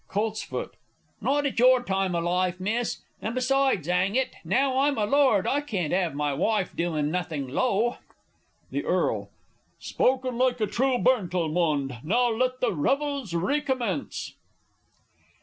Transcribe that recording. Colts. Not at your time o' life, Miss, and besides, 'ang it, now I'm a lord, I can't have my wife doin' nothing low! The E. Spoken like a true Burntalmond! And now let the revels re commence.